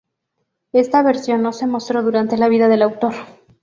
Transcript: Esta versión no se mostró durante la vida del autor.